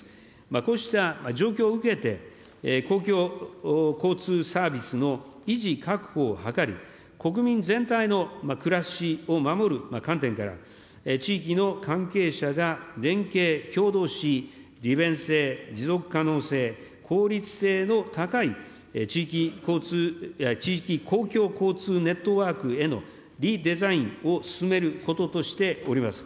こうした状況を受けて、公共交通サービスの維持確保を図り、国民全体の暮らしを守る観点から、地域の関係者が連携、協働し、利便性、持続可能性、効率性の高い地域公共交通ネットワークへのリデザインを進めることとしております。